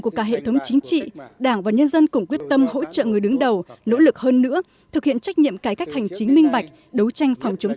của cả hệ thống chính trị đảng và nhân dân